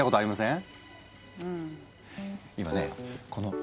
ん？